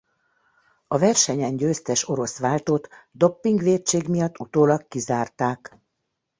A versenyen győztes orosz váltót doppingvétség miatt utólag kizárták.